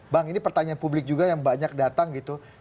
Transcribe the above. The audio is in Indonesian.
bang ini pertanyaan publik juga yang banyak datang gitu